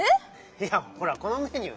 いやほらこのメニュー。